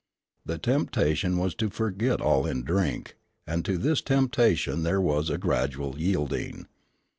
The temptation was to forget all in drink, and to this temptation there was a gradual yielding.